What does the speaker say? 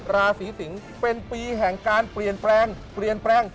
ราศีสิงศ์เป็นปีแห่งการเปลี่ยนแปลงเปลี่ยนแปลง